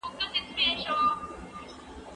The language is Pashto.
ایا ته غواړې چې بیا په خپل هېواد کې ژوند وکړې؟